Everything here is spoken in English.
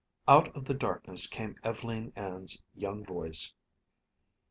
Out of the darkness came Ev'leen Ann's young voice.